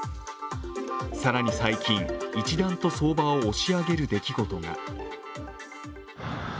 更に最近、一段と相場を押し上げる出来事が。